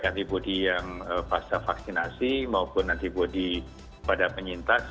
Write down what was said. antibody yang pasca vaksinasi maupun antibody pada penyintas